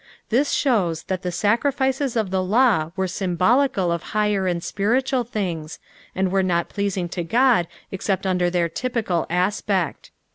This shows that the sacrifices of the law were symbolical of higher and spiritual things, and were not pleaaiog to God except under their typical aspect.